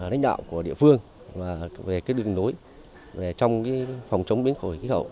và đánh đạo của địa phương về đường đối trong phòng chống biến khỏi kỳ hậu